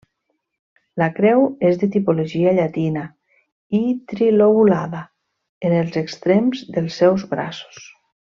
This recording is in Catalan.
La creu és de tipologia llatina i trilobulada en els extrems dels seus braços.